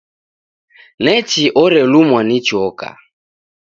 Nachi orelumwa ni choka!